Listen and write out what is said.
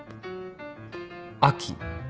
秋。